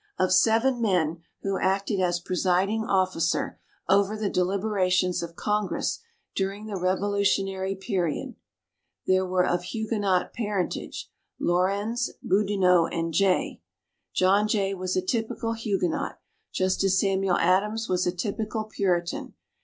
Of seven men who acted as presiding officer over the deliberations of Congress during the Revolutionary Period, three were of Huguenot parentage: Laurens, Boudinot and Jay. John Jay was a typical Huguenot, just as Samuel Adams was a typical Puritan.